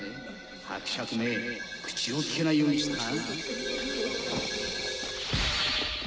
伯爵め口をきけないようにしたな。